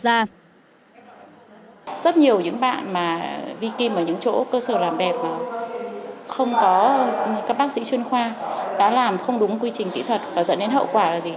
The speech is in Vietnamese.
rất nhiều những bạn mà vi kim ở những chỗ cơ sở làm đẹp mà không có các bác sĩ chuyên khoa đã làm không đúng quy trình kỹ thuật và dẫn đến hậu quả là gì